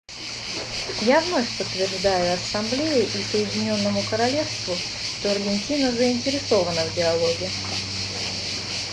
Я вновь подтверждаю Ассамблее и Соединенному Королевству, что Аргентина заинтересована в диалоге.